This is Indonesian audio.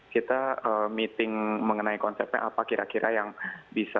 kita meeting mengenai konsepnya apa kira kira yang bisa